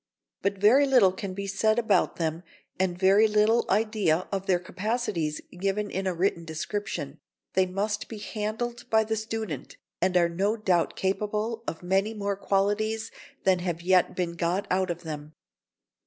But very little can be said about them, and very little idea of their capacities given in a written description; they must be handled by the student, and are no doubt capable of many more qualities than have yet been got out of them.